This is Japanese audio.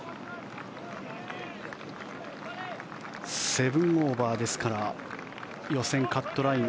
７オーバーですから予選カットライン